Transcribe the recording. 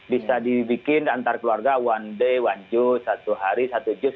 bisa dibikin antar keluarga one day one jus satu hari satu juz